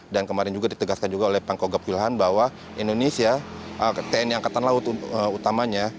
dan kemarin juga ditegaskan juga oleh pangko gap gilhan bahwa indonesia tni angkatan laut utamanya